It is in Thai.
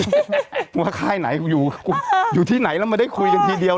ว่าค่ายไหนกูอยู่อยู่ที่ไหนแล้วไม่ได้คุยกันทีเดียว